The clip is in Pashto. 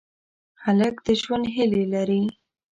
هلک د ژوند هیلې لري.